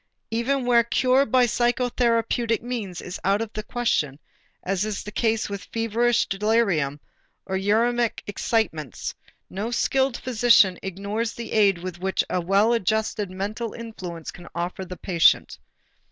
Even where cure by psychotherapeutic means is out of the question, as is the case with feverish delirium or uræmic excitements, no skilled physician ignores the aid which a well adjusted mental influence can offer to the patient.